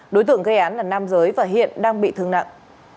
đối tượng gây án là nam giới và hiện đang bị thương nặng